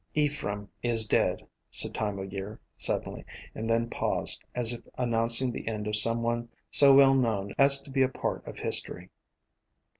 "Ephraim is dead," said Time o' Year, suddenly, and then paused, as if announcing the end of some one so well known as to be a part of history.